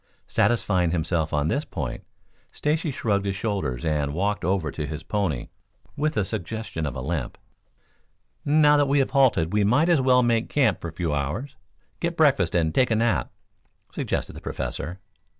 Satisfying himself on this point, Stacy shrugged his shoulders and walked over to his pony with a suggestion of a limp. "Now that we have halted we might as well make camp for a few hours, get breakfast and take a nap," suggested the Professor.